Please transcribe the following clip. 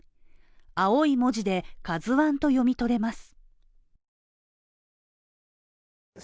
青い文字で「ＫＡＺＵ１」と読み取れます。